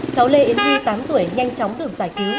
cháu lê yên duy tám tuổi nhanh chóng được giải cứu